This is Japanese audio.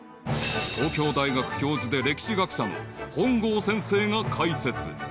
［東京大学教授で歴史学者の本郷先生が解説］